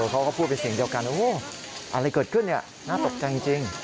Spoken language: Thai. เขาก็พูดเป็นเสียงเดียวกันอะไรเกิดขึ้นน่าตกใจจริง